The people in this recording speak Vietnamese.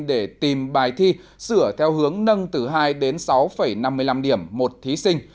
để tìm bài thi sửa theo hướng nâng từ hai đến sáu năm mươi năm điểm một thí sinh